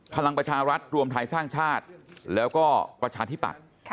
พลังประชารัฐรวมไทยสร้างชาติแล้วก็ประชาธิปัตย์